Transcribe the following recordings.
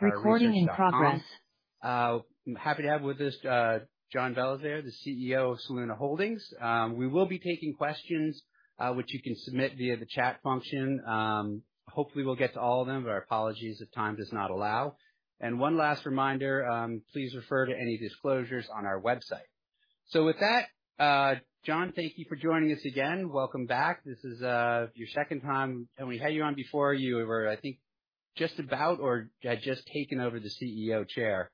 Recording in progress. I'm happy to have with us John Belizaire, the CEO of Soluna Holdings. We will be taking questions, which you can submit via the chat function. Hopefully, we'll get to all of them, but our apologies if time does not allow. One last reminder, please refer to any disclosures on our website. With that, John, thank you for joining us again. Welcome back. This is your second time, and when we had you on before, you were, I think, just about or had just taken over the CEO chair.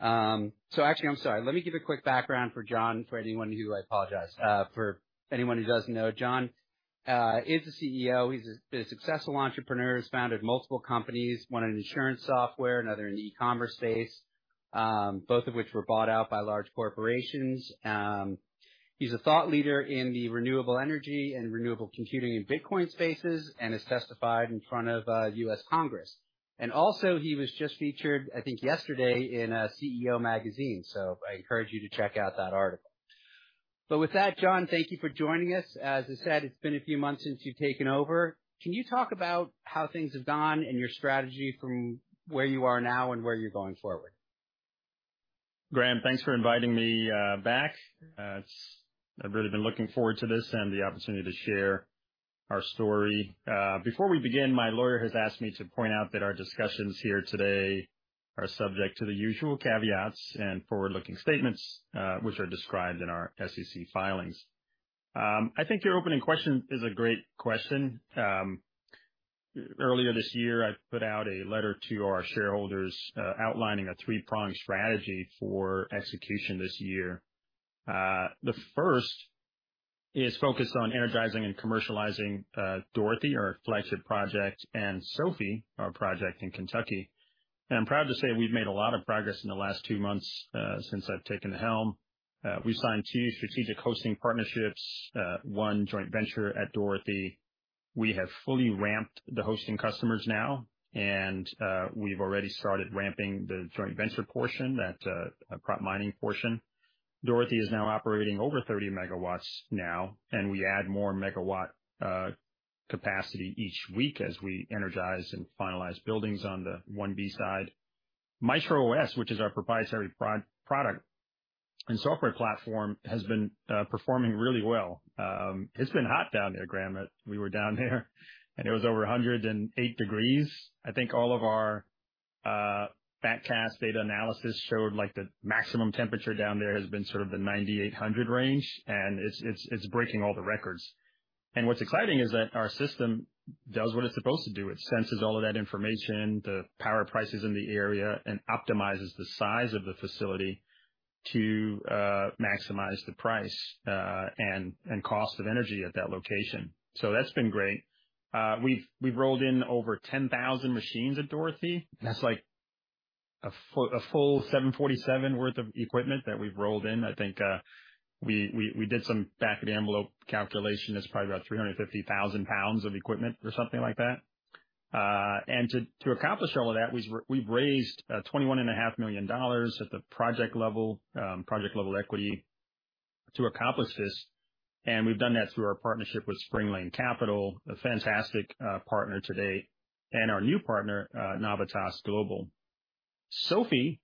Actually, I'm sorry. Let me give a quick background for John, for anyone who. I apologize. For anyone who doesn't know, John is the CEO. He's been a successful entrepreneur. He's founded multiple companies, one in insurance software, another in the e-commerce space, both of which were bought out by large corporations. He's a thought leader in the renewable energy and renewable computing and Bitcoin spaces and has testified in front of US Congress. Also, he was just featured, I think, yesterday in CEO Magazine, so I encourage you to check out that article. With that, John, thank you for joining us. As I said, it's been a few months since you've taken over. Can you talk about how things have gone and your strategy from where you are now and where you're going forward? Graham, thanks for inviting me back. I've really been looking forward to this and the opportunity to share our story. Before we begin, my lawyer has asked me to point out that our discussions here today are subject to the usual caveats and forward-looking statements, which are described in our SEC filings. I think your opening question is a great question. Earlier this year, I put out a letter to our shareholders, outlining a three-pronged strategy for execution this year. The first is focused on energizing and commercializing Dorothy, our flagship project, and Sophie, our project in Kentucky. I'm proud to say we've made a lot of progress in the last two months, since I've taken the helm. We've signed two strategic hosting partnerships, one joint venture at Dorothy. We have fully ramped the hosting customers now, and we've already started ramping the joint venture portion, that prop mining portion. Dorothy is now operating over 30 MW now, and we add more megawatt capacity each week as we energize and finalize buildings on the 1B side. MaestroOS, which is our proprietary product and software platform, has been performing really well. It's been hot down there, Graham. We were down there, and it was over 108 degrees. I think all of our forecast data analysis showed, like, the maximum temperature down there has been sort of the 90, 800 range, and it's breaking all the records. What's exciting is that our system does what it's supposed to do. It senses all of that information, the power prices in the area, and optimizes the size of the facility to maximize the price and cost of energy at that location. That's been great. We've rolled in over 10,000 machines at Dorothy. That's like a full 747 worth of equipment that we've rolled in. I think we did some back of the envelope calculation. That's probably about 350,000 pounds of equipment or something like that. To accomplish all of that, we've raised $21.5 million at the project level, project-level equity to accomplish this. We've done that through our partnership with Spring Lane Capital, a fantastic partner to date, and our new partner, Navitas Global. Sophie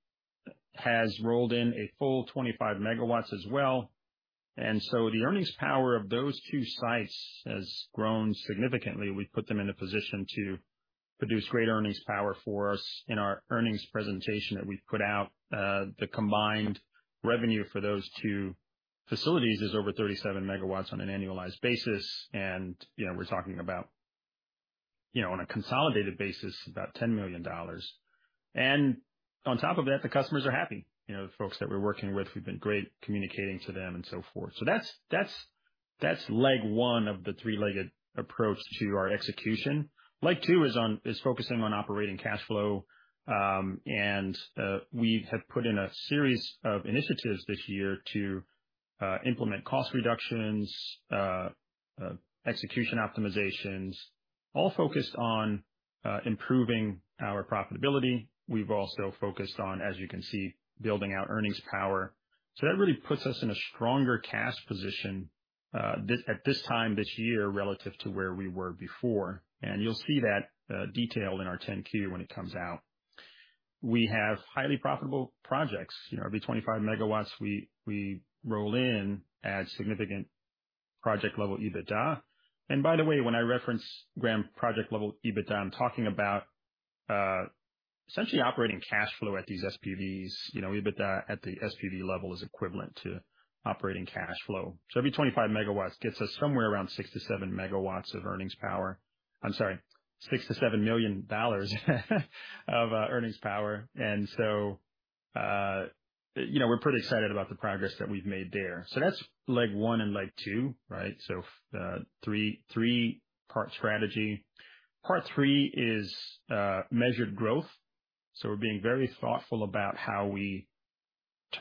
has rolled in a full 25 MW as well, and so the earnings power of those two sites has grown significantly. We've put them in a position to produce great earnings power for us. In our earnings presentation that we've put out, the combined revenue for those two facilities is over 37 MW on an annualized basis, and, you know, we're talking about, you know, on a consolidated basis, about $10 million. On top of that, the customers are happy. You know, the folks that we're working with, we've been great communicating to them and so forth. That's leg one of the three-legged approach to our execution. Leg two is focusing on operating cash flow, and we have put in a series of initiatives this year to implement cost reductions, execution optimizations, all focused on improving our profitability. We've also focused on, as you can see, building out earnings power. That really puts us in a stronger cash position, this, at this time, this year, relative to where we were before. You'll see that detailed in our 10-Q when it comes out. We have highly profitable projects. You know, every 25 MW we roll in adds significant project-level EBITDA. By the way, when I reference Graham business project level EBITDA, I'm talking about essentially operating cash flow at these SPVs. You know, EBITDA at the SPV level is equivalent to operating cash flow. Every 25 MW gets us somewhere around 6-7 MW of earnings power. I'm sorry, $6 million-$7 million of earnings power. You know, we're pretty excited about the progress that we've made there. That's leg one and leg two, right? Three-part strategy. Part three is measured growth. We're being very thoughtful about how we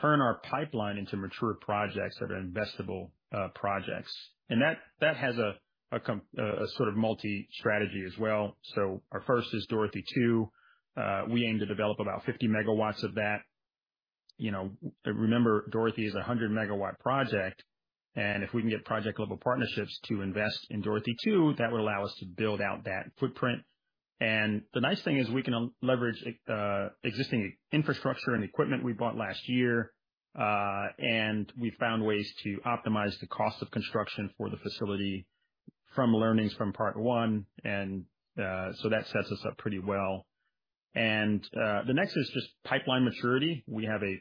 turn our pipeline into mature projects that are investable projects. That has a sort of multi-strategy as well. Our first is Dorothy Two. We aim to develop about 50 MW of that. You know, remember, Dorothy is a 100 MW project, and if we can get project-level partnerships to invest in Dorothy Two, that would allow us to build out that footprint. The nice thing is we can leverage existing infrastructure and equipment we bought last year, we've found ways to optimize the cost of construction for the facility from learnings from part one, that sets us up pretty well. The next is just pipeline maturity. We have a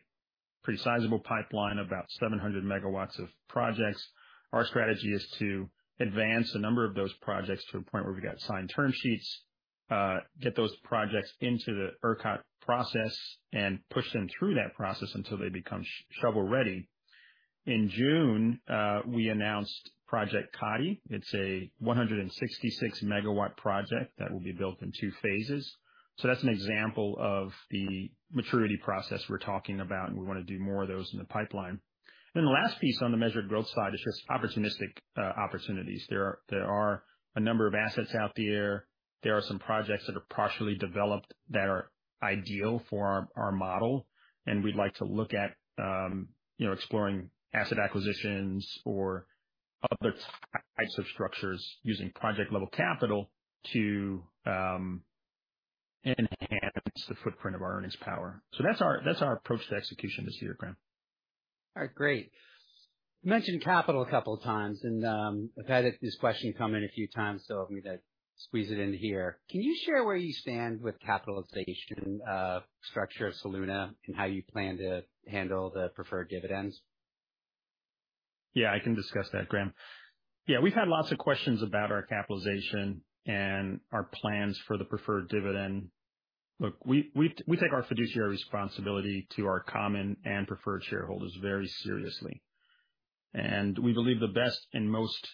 pretty sizable pipeline, about 700 MW of projects. Our strategy is to advance a number of those projects to a point where we've got signed term sheets, get those projects into the ERCOT process and push them through that process until they become shovel-ready. In June, we announced Project Kati. It's a 166 megawatt project that will be built in 2 phases. That's an example of the maturity process we're talking about, and we want to do more of those in the pipeline. The last piece on the measured growth side is just opportunistic opportunities. There are a number of assets out there. There are some projects that are partially developed that are ideal for our model, and we'd like to look at, you know, exploring asset acquisitions or other types of structures using project-level capital to enhance the footprint of our earnings power. That's our, that's our approach to execution this year, Graham. All right, great. You mentioned capital a couple of times. I've had this question come in a few times, so let me like, squeeze it in here. Can you share where you stand with capitalization structure of Soluna and how you plan to handle the preferred dividends? I can discuss that, Graham. We've had lots of questions about our capitalization and our plans for the preferred dividend. We take our fiduciary responsibility to our common and preferred shareholders very seriously, and we believe the best and most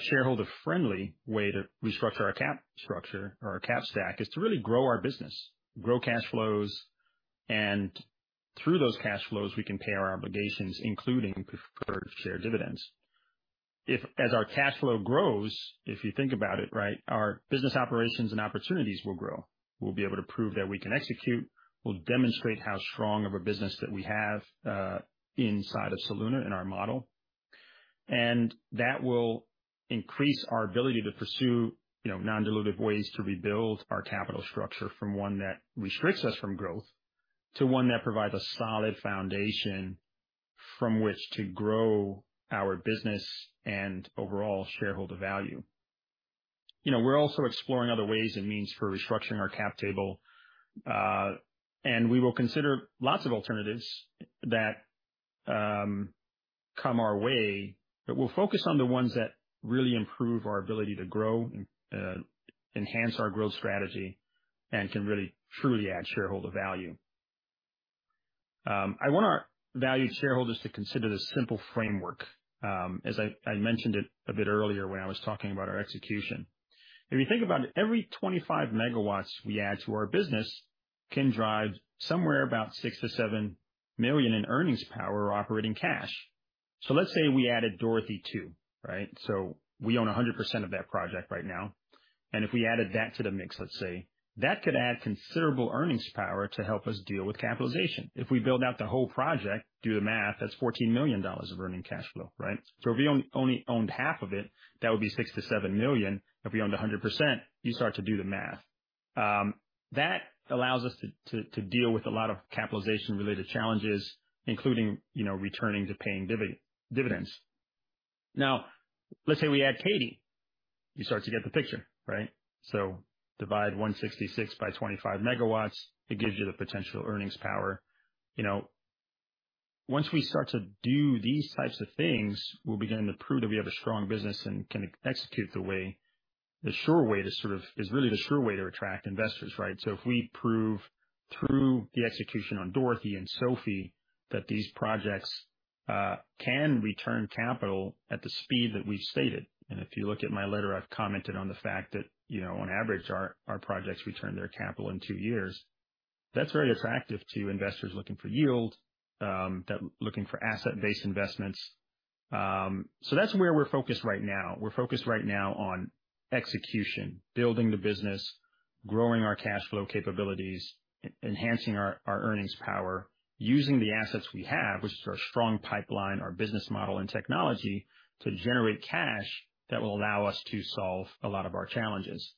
shareholder-friendly way to restructure our cap structure or our cap stack, is to really grow our business, grow cash flows, and through those cash flows, we can pay our obligations, including preferred share dividends. As our cash flow grows, if you think about it, right, our business operations and opportunities will grow. We'll be able to prove that we can execute. We'll demonstrate how strong of a business that we have inside of Soluna in our model. That will increase our ability to pursue, you know, non-dilutive ways to rebuild our capital structure from one that restricts us from growth, to one that provides a solid foundation from which to grow our business and overall shareholder value. You know, we're also exploring other ways and means for restructuring our cap table, and we will consider lots of alternatives that come our way, but we'll focus on the ones that really improve our ability to grow and enhance our growth strategy and can really, truly add shareholder value. I want our valued shareholders to consider this simple framework, as I mentioned it a bit earlier when I was talking about our execution. If you think about it, every 25 MW we add to our business can drive somewhere about $6 million-$7 million in earnings power or operating cash. Let's say we added Dorothy Two, right? We own 100% of that project right now, and if we added that to the mix, let's say, that could add considerable earnings power to help us deal with capitalization. If we build out the whole project, do the math, that's $14 million of earning cash flow, right? If we only owned half of it, that would be $6 million-$7 million. If we owned 100%, you start to do the math. That allows us to deal with a lot of capitalization-related challenges, including, you know, returning to paying dividends. Now, let's say we add Kati. You start to get the picture, right? Divide 166 by 25 MW, it gives you the potential earnings power. You know, once we start to do these types of things, we'll begin to prove that we have a strong business and can execute the way. The sure way to is really the sure way to attract investors, right? If we prove through the execution on Dorothy and Sophie that these projects can return capital at the speed that we've stated, and if you look at my letter, I've commented on the fact that, you know, on average, our projects return their capital in two years. That's very attractive to investors looking for yield, looking for asset-based investments. That's where we're focused right now. We're focused right now on execution, building the business, growing our cash flow capabilities, enhancing our earnings power, using the assets we have, which is our strong pipeline, our business model, and technology, to generate cash that will allow us to solve a lot of our challenges.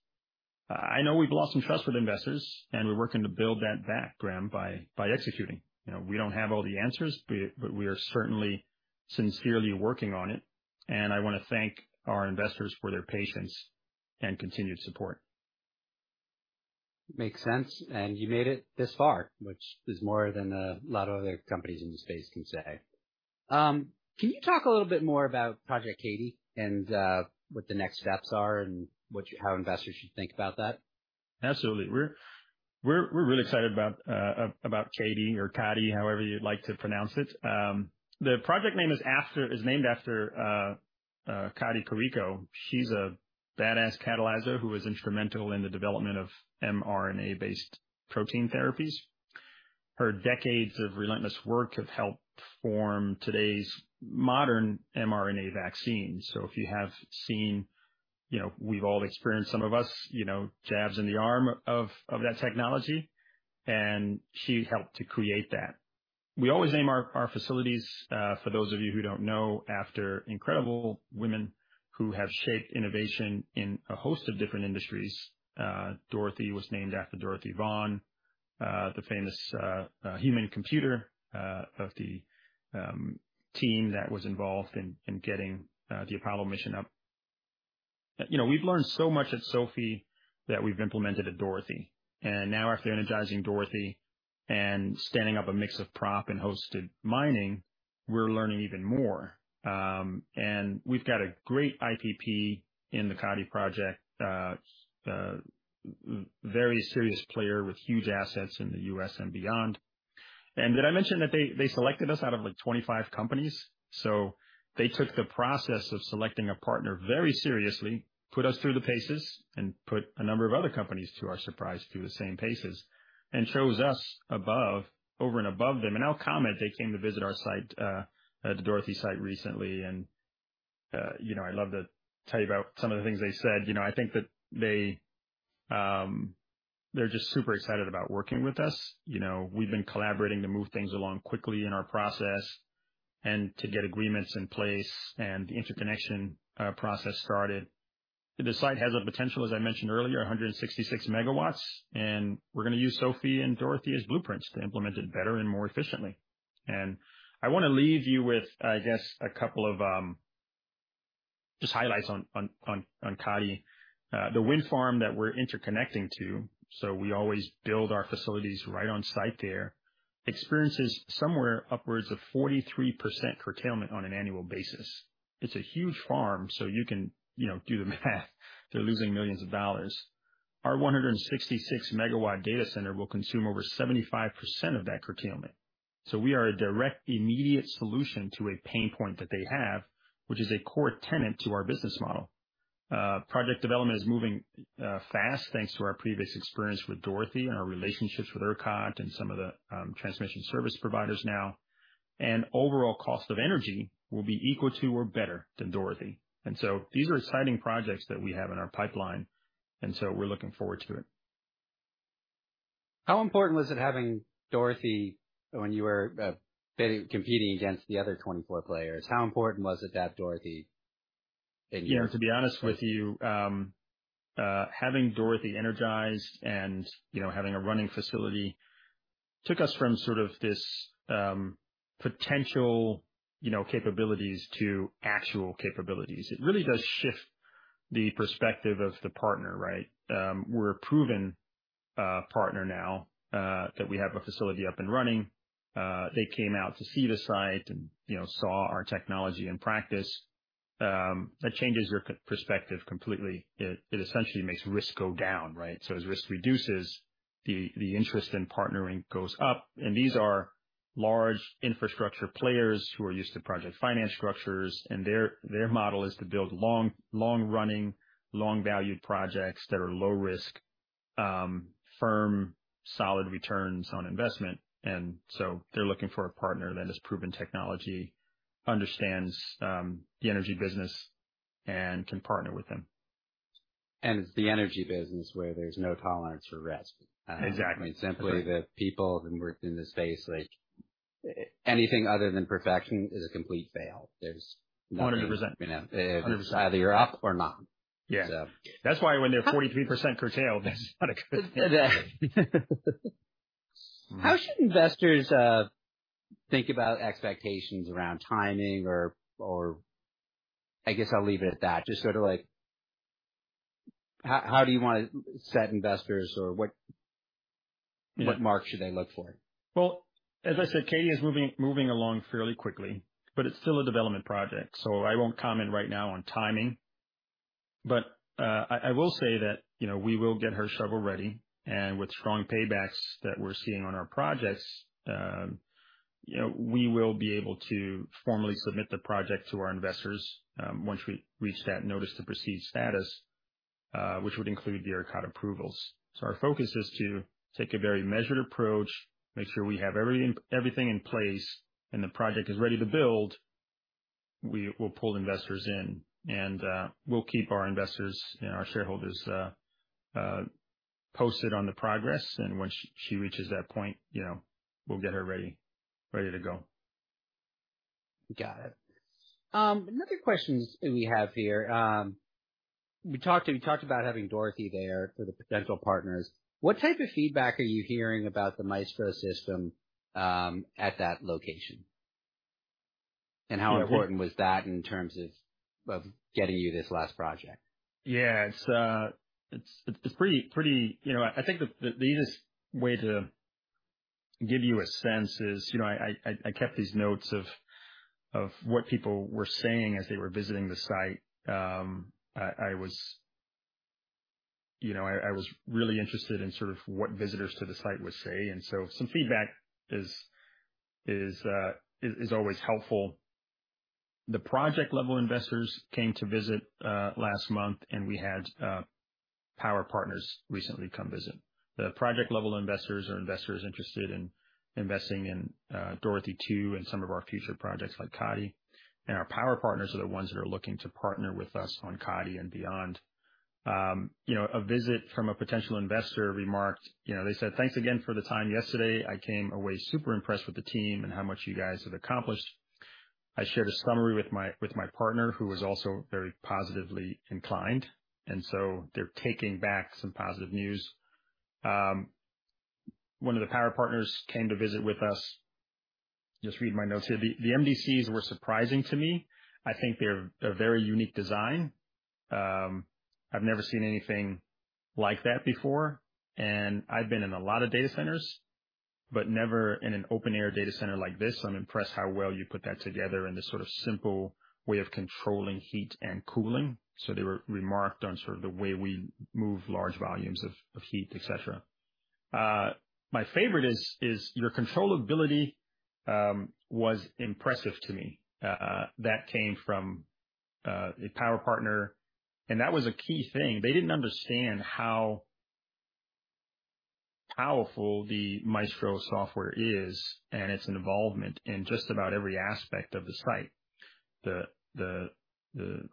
I know we've lost some trust with investors, and we're working to build that back, Graham, by executing. You know, we don't have all the answers, but we are certainly sincerely working on it, and I want to thank our investors for their patience and continued support. Makes sense, and you made it this far, which is more than a lot of other companies in this space can say. Can you talk a little bit more about Project Kati and what the next steps are and how investors should think about that? Absolutely. We're really excited about Kati or Kati, however you'd like to pronounce it. The project name is named after Katalin Karikó. She's a badass catalyzer who was instrumental in the development of mRNA-based protein therapies. Her decades of relentless work have helped form today's modern mRNA vaccines. you know, we've all experienced, some of us, you know, jabs in the arm of that technology, and she helped to create that. We always name our facilities, for those of you who don't know, after incredible women who have shaped innovation in a host of different industries. Dorothy was named after Dorothy Vaughan, the famous human computer of the team that was involved in getting the Apollo mission up. You know, we've learned so much at Sophie that we've implemented at Dorothy. Now after energizing Dorothy and standing up a mix of prop and hosted mining, we're learning even more. We've got a great IPP in the Kati Project, very serious player with huge assets in the U.S. and beyond. Did I mention that they selected us out of, like, 25 companies? They took the process of selecting a partner very seriously, put us through the paces and put a number of other companies, to our surprise, through the same paces, and chose us over and above them. I'll comment, they came to visit our site at the Dorothy site recently, you know, I'd love to tell you about some of the things they said. You know, I think that they're just super excited about working with us. You know, we've been collaborating to move things along quickly in our process and to get agreements in place and the interconnection process started. The site has a potential, as I mentioned earlier, 166 MW, and we're going to use Sophie and Dorothy as blueprints to implement it better and more efficiently. I want to leave you with, I guess, a couple of just highlights on Kati. The wind farm that we're interconnecting to, so we always build our facilities right on site there, experiences somewhere upwards of 43% curtailment on an annual basis. It's a huge farm, so you can, you know, do the math. They're losing millions of dollars. Our 166 MW data center will consume over 75% of that curtailment. We are a direct, immediate solution to a pain point that they have, which is a core tenet to our business model. Project development is moving fast, thanks to our previous experience with Dorothy and our relationships with ERCOT and some of the transmission service providers now. Overall cost of energy will be equal to or better than Dorothy. These are exciting projects that we have in our pipeline, we're looking forward to it. How important was it having Dorothy when you were, bidding, competing against the other 24 players? How important was it to have Dorothy in there? Yeah, to be honest with you, having Dorothy energized and, you know, having a running facility took us from sort of this potential, you know, capabilities to actual capabilities. It really does shift the perspective of the partner, right? We're a proven partner now that we have a facility up and running. They came out to see the site and, you know, saw our technology in practice. That changes your perspective completely. It essentially makes risk go down, right? As risk reduces, the interest in partnering goes up. These are large infrastructure players who are used to project finance structures, and their model is to build long, long-running, long-valued projects that are low risk, firm, solid returns on investment. They're looking for a partner that has proven technology, understands, the energy business and can partner with them. It's the energy business where there's no tolerance for risk. Exactly. Simply the people who worked in this space, like, anything other than perfection is a complete fail. There's. 100%. You know, either you're up or not. Yeah. So- That's why when they're 43% curtailed, that's not a good thing. How should investors think about expectations around timing or I guess I'll leave it at that. Just sort of like... How do you want to set investors or what mark should they look for? As I said, Kati is moving along fairly quickly, but it's still a development project, so I won't comment right now on timing. I will say that, you know, we will get her shovel ready, and with strong paybacks that we're seeing on our projects, you know, we will be able to formally submit the project to our investors, once we reach that notice to proceed status, which would include the ERCOT approvals. Our focus is to take a very measured approach, make sure we have everything in place and the project is ready to build, we will pull investors in. We'll keep our investors and our shareholders posted on the progress, and once she reaches that point, you know, we'll get her ready to go. Got it. another question we have here. we talked about having Dorothy there for the potential partners. What type of feedback are you hearing about the Maestro system, at that location? How important was that in terms of getting you this last project? Yeah, it's pretty. You know, I think the easiest way to give you a sense is, you know, I kept these notes of what people were saying as they were visiting the site. I was. You know, I was really interested in sort of what visitors to the site would say, some feedback is always helpful. The project-level investors came to visit last month. We had power partners recently come visit. The project-level investors or investors interested in investing in Dorothy 2 and some of our future projects like Kati. Our power partners are the ones that are looking to partner with us on Kati and beyond. You know, a visit from a potential investor remarked, you know, they said, "Thanks again for the time yesterday. I came away super impressed with the team and how much you guys have accomplished. I shared a summary with my partner, who was also very positively inclined, they're taking back some positive news. One of the power partners came to visit with us. Just read my notes here. "The MDCs were surprising to me. I think they're a very unique design. I've never seen anything like that before, and I've been in a lot of data centers, but never in an open air data center like this. I'm impressed how well you put that together and this sort of simple way of controlling heat and cooling." They were remarked on sort of the way we move large volumes of heat, et cetera. My favorite is, "Your controllability was impressive to me." That came from a power partner, and that was a key thing. They didn't understand how powerful the Maestro software is and its involvement in just about every aspect of the site. The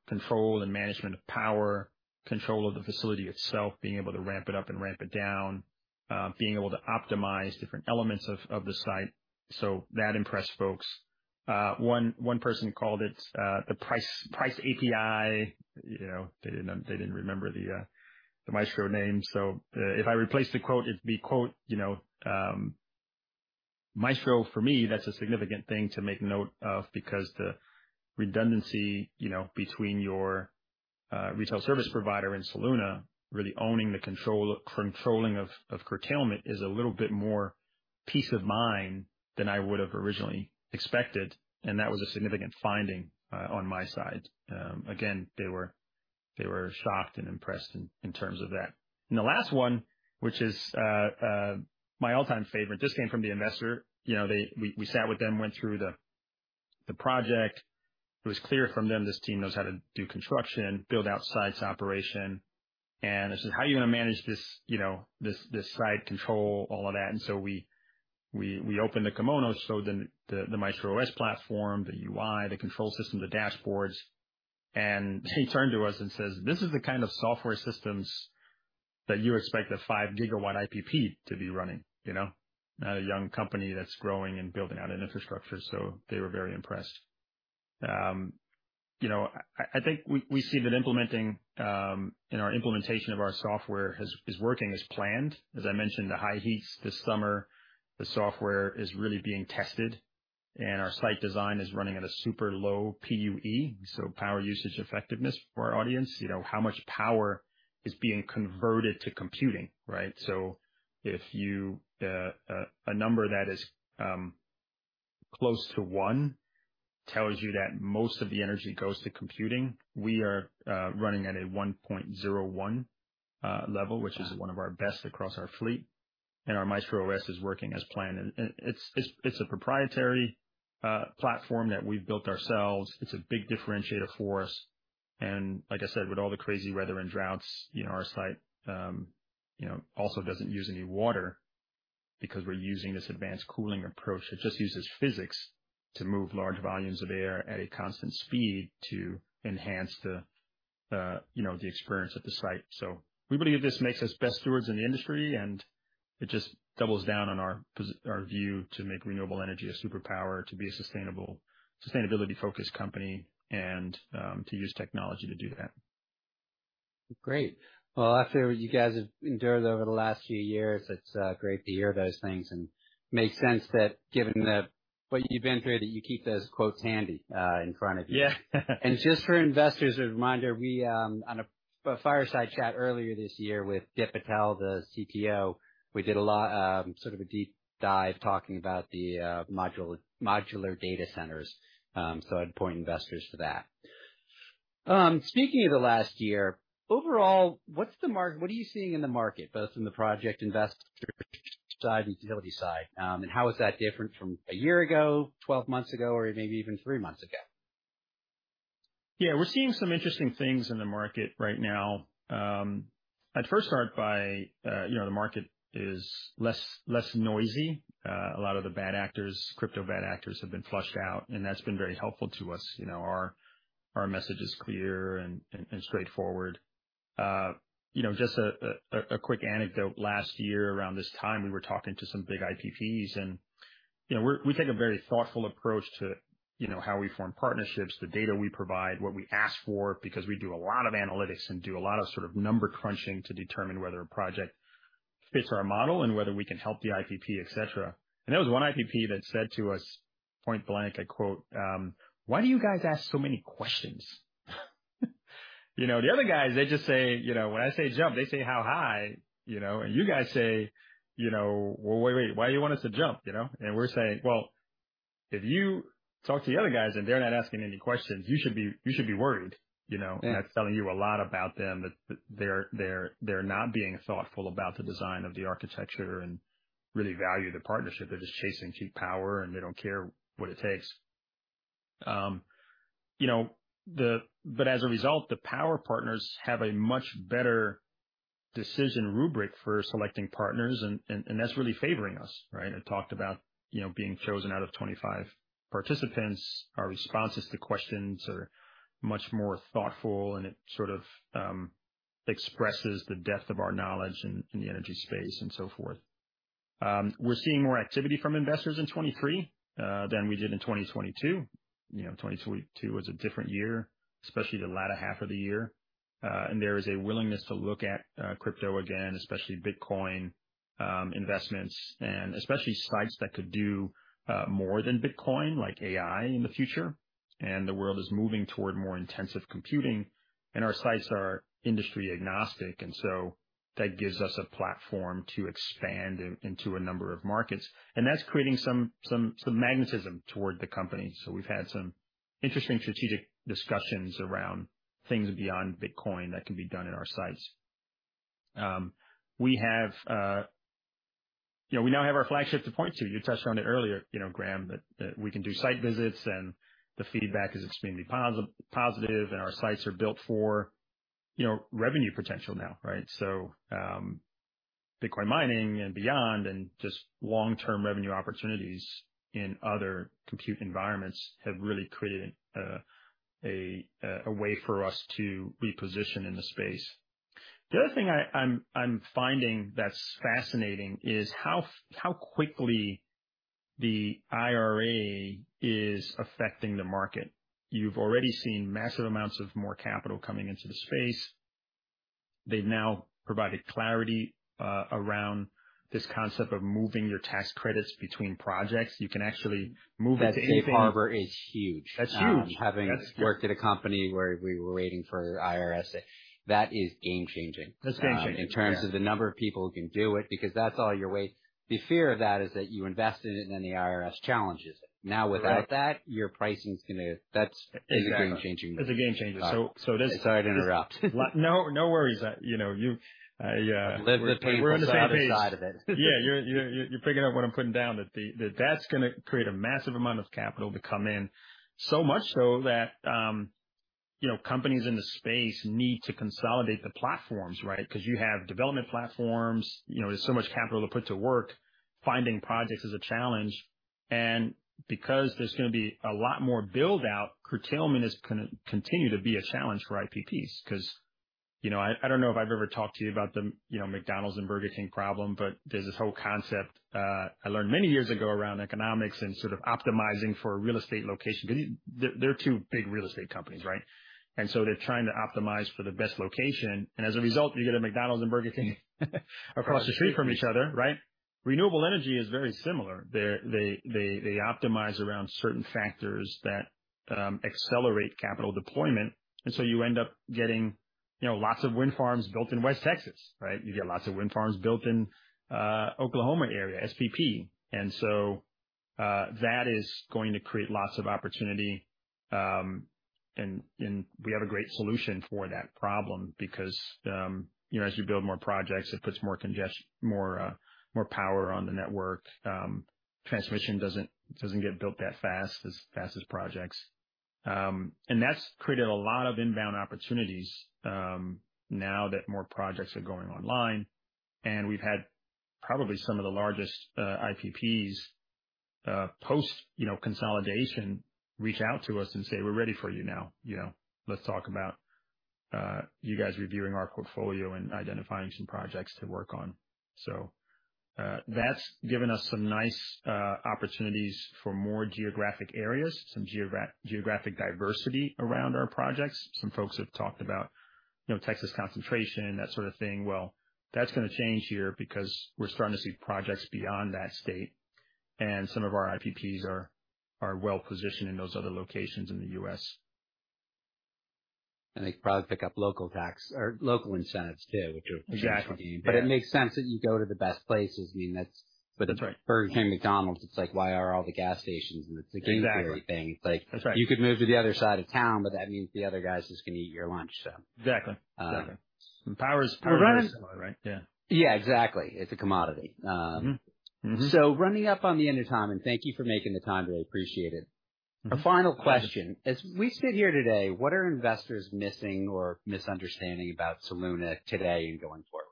control and management of power, control of the facility itself, being able to ramp it up and ramp it down, being able to optimize different elements of the site. That impressed folks. One person called it the price API. You know, they didn't remember the Maestro name. If I replaced the quote, it'd be quote, you know, Maestro, for me, that's a significant thing to make note of, because the redundancy, you know, between your retail electric provider and Soluna, really owning the control, controlling of curtailment, is a little bit more peace of mind than I would have originally expected, and that was a significant finding on my side. Again, they were shocked and impressed in terms of that. The last one, which is my all-time favorite, this came from the investor. You know, we sat with them, went through the project. It was clear from them, this team knows how to do construction, build out sites, operation. I said, "How are you going to manage this, you know, this site control, all of that?" We opened the kimono, showed them the MaestroOS platform, the UI, the control system, the dashboards. He turned to us and says, "This is the kind of software systems that you expect a 5 gigawatt IPP to be running, you know, not a young company that's growing and building out an infrastructure." They were very impressed. You know, I think we see that our implementation of our software is working as planned. As I mentioned, the high heats this summer, the software is really being tested and our site design is running at a super low PUE, so power usage effectiveness for our audience. You know, how much power is being converted to computing, right? If you, a number that is close to 1 tells you that most of the energy goes to computing. We are running at a 1.01 level, which is one of our best across our fleet, and our Maestro OS is working as planned. It's a proprietary platform that we've built ourselves. It's a big differentiator for us. Like I said, with all the crazy weather and droughts, you know, our site, you know, also doesn't use any water because we're using this advanced cooling approach. It just uses physics to move large volumes of air at a constant speed to enhance the, you know, the experience at the site. We believe this makes us best stewards in the industry, and it just doubles down on our view to make renewable energy a superpower, to be a sustainable, sustainability focused company and to use technology to do that. Great. Well, after what you guys have endured over the last few years, it's great to hear those things. Makes sense that given the, what you've been through, that you keep those quotes handy, in front of you. Yeah. Just for investors, as a reminder, we, on a fireside chat earlier this year with Dipan Patel, the CTO, we did a lot, sort of a deep dive talking about the Modular Data Centers. I'd point investors to that. Speaking of the last year, overall, What are you seeing in the market, both in the project investor side and utility side? How is that different from a year ago, 12 months ago, or maybe even three months ago? Yeah, we're seeing some interesting things in the market right now. I'd first start by, you know, the market is less noisy. A lot of the bad actors, crypto bad actors, have been flushed out. That's been very helpful to us. You know, our message is clear and straightforward. You know, just a quick anecdote. Last year, around this time, we were talking to some big IPPs and, you know, we take a very thoughtful approach to, you know, how we form partnerships, the data we provide, what we ask for, because we do a lot of analytics and do a lot of sort of number crunching to determine whether a project fits our model and whether we can help the IPP, et cetera. There was one IPP that said to us, point blank, I quote, "Why do you guys ask so many questions? You know, the other guys, they just say, you know, when I say jump, they say, How high?" You know, "You guys say, you know, Well, wait, why do you want us to jump?" You know? We're saying, "Well, if you talk to the other guys and they're not asking any questions, you should be worried." You know? Yeah. That's telling you a lot about them, that they're not being thoughtful about the design of the architecture and really value the partnership. They're just chasing cheap power, and they don't care what it takes. You know, as a result, the power partners have a much better decision rubric for selecting partners, and that's really favoring us, right? I talked about, you know, being chosen out of 25 participants. Our responses to questions are much more thoughtful, and it sort of expresses the depth of our knowledge in the energy space and so forth. We're seeing more activity from investors in 2023 than we did in 2022. You know, 2022 was a different year, especially the latter half of the year. There is a willingness to look at crypto again, especially Bitcoin investments, and especially sites that could do more than Bitcoin, like AI, in the future. The world is moving toward more intensive computing, our sites are industry agnostic, that gives us a platform to expand into a number of markets. That's creating some magnetism toward the company. We've had some interesting strategic discussions around things beyond Bitcoin that can be done at our sites. We have, you know, we now have our flagship to point to. You touched on it earlier, you know, Graham, that we can do site visits, and the feedback is extremely positive, and our sites are built for, you know, revenue potential now, right? Bitcoin mining and beyond, and just long-term revenue opportunities in other compute environments have really created a way for us to reposition in the space. The other thing I'm finding that's fascinating is how quickly the IRA is affecting the market. You've already seen massive amounts of more capital coming into the space. They've now provided clarity around this concept of moving your tax credits between projects. You can actually move it to anything. That safe harbor is huge. That's huge. Having worked at a company where we were waiting for IRS, that is game changing. That's game changing. In terms of the number of people who can do it. The fear of that is that you invested it, and then the IRS challenges it. Right. without that, That's a game-changing. It's a game changer. Sorry to interrupt. No, no worries. you know, you Lived the pain. We're on the same page. Other side of it. Yeah, you're picking up what I'm putting down, that that's gonna create a massive amount of capital to come in. So much so that, you know, companies in the space need to consolidate the platforms, right? You have development platforms, you know, there's so much capital to put to work, finding projects is a challenge, and because there's gonna be a lot more build-out, curtailment is gonna continue to be a challenge for IPPs. You know, I don't know if I've ever talked to you about the, you know, McDonald's and Burger King problem, but there's this whole concept, I learned many years ago around economics and sort of optimizing for real estate location. They're two big real estate companies, right? They're trying to optimize for the best location, and as a result, you get a McDonald's and Burger King, across the street from each other, right? Renewable energy is very similar. They optimize around certain factors that accelerate capital deployment, you end up getting, you know, lots of wind farms built in West Texas, right? You get lots of wind farms built in Oklahoma area, SPP. That is going to create lots of opportunity. We have a great solution for that problem because, you know, as you build more projects, it puts more power on the network. Transmission doesn't get built that fast, as fast as projects. That's created a lot of inbound opportunities now that more projects are going online, and we've had probably some of the largest IPPs, post, you know, consolidation, reach out to us and say, "We're ready for you now," you know, "Let's talk about you guys reviewing our portfolio and identifying some projects to work on." That's given us some nice opportunities for more geographic areas, some geographic diversity around our projects. Some folks have talked about, you know, Texas concentration, that sort of thing. That's gonna change here because we're starting to see projects beyond that state, and some of our IPPs are well positioned in those other locations in the US. they probably pick up local tax or local incentives, too, which are- Exactly. it makes sense that you go to the best places. I mean, That's right. Burger King, McDonald's, it's like, why are all the gas stations and it's a gateway thing. That's right. Like, you could move to the other side of town, but that means the other guy's just going to eat your lunch, so. Exactly. Exactly. Um. The power is, right? Yeah. Yeah, exactly. It's a commodity. Mm-hmm. Mm-hmm. Running up on the end of time, and thank you for making the time today. I appreciate it. Mm-hmm. A final question: As we sit here today, what are investors missing or misunderstanding about Soluna today and going forward?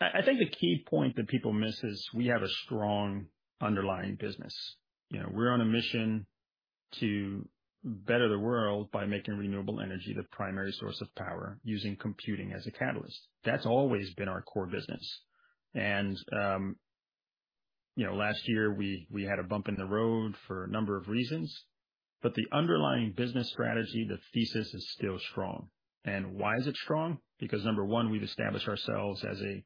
I think the key point that people miss is we have a strong underlying business. You know, we're on a mission to better the world by making renewable energy the primary source of power, using computing as a catalyst. That's always been our core business. You know, last year we had a bump in the road for a number of reasons, but the underlying business strategy, the thesis is still strong. Why is it strong? Because number one, we've established ourselves as a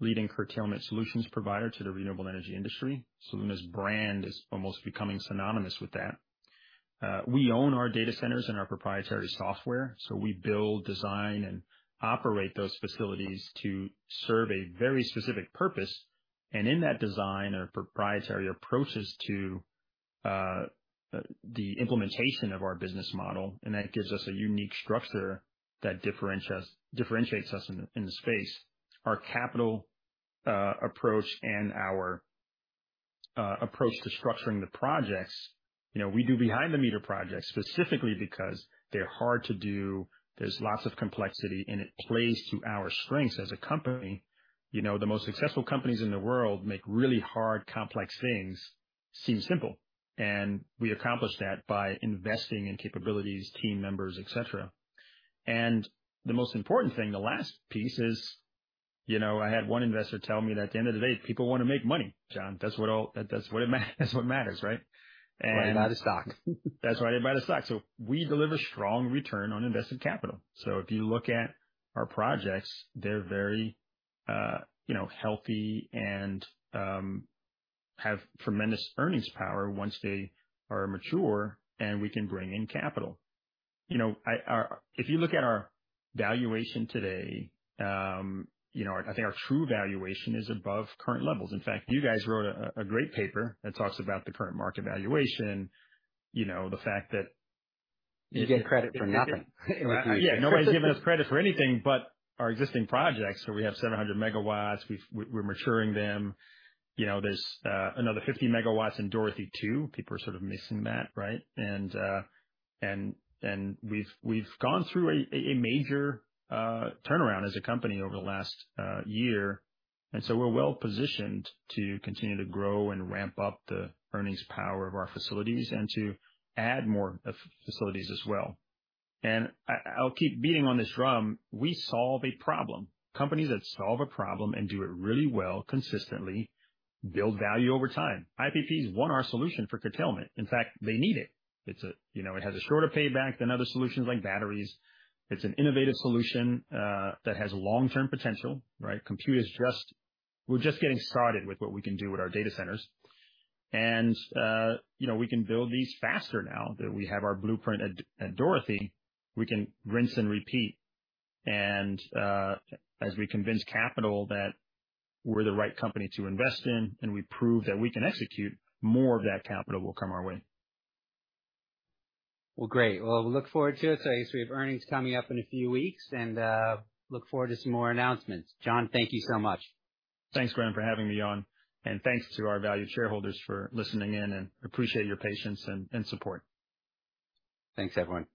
leading curtailment solutions provider to the renewable energy industry. Soluna's brand is almost becoming synonymous with that. We own our data centers and our proprietary software, we build, design, and operate those facilities to serve a very specific purpose. In that design are proprietary approaches to the implementation of our business model, and that gives us a unique structure that differentiates us in the space. Our approach and our approach to structuring the projects. You know, we do behind the meter projects specifically because they're hard to do, there's lots of complexity, and it plays to our strengths as a company. You know, the most successful companies in the world make really hard, complex things seem simple, and we accomplish that by investing in capabilities, team members, et cetera. The most important thing, the last piece is, you know, I had one investor tell me that at the end of the day, people want to make money, John. That's what matters, right? Why they buy the stock? That's why they buy the stock. We deliver strong return on invested capital. If you look at our projects, they're very, you know, healthy and have tremendous earnings power once they are mature and we can bring in capital. You know, I, if you look at our valuation today, you know, I think our true valuation is above current levels. In fact, you guys wrote a great paper that talks about the current market valuation, you know, the fact that. You get credit for nothing. Yeah, nobody's giving us credit for anything but our existing projects, where we have 700 MW. We're maturing them. You know, there's another 50 MW in Dorothy Two. People are sort of missing that, right? We've gone through a major turnaround as a company over the last year, we're well-positioned to continue to grow and ramp up the earnings power of our facilities and to add more facilities as well. I'll keep beating on this drum. We solve a problem. Companies that solve a problem and do it really well consistently build value over time. IPP has won our solution for curtailment. In fact, they need it. You know, it has a shorter payback than other solutions, like batteries. It's an innovative solution that has long-term potential, right? Compute, we're just getting started with what we can do with our data centers. You know, we can build these faster now that we have our blueprint at Dorothy, we can rinse and repeat. As we convince capital that we're the right company to invest in, and we prove that we can execute, more of that capital will come our way. Well, great. Well, we look forward to it. I guess we have earnings coming up in a few weeks and look forward to some more announcements. John, thank you so much. Thanks, Graham, for having me on, thanks to our valued shareholders for listening in, and appreciate your patience and support. Thanks, everyone.